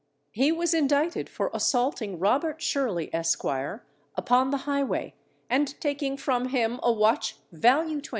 He was indicted for assaulting Robert Sherly, Esq., upon the highway, and taking from him a watch value £20.